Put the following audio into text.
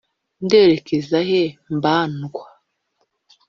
Nderekeza he mbandwa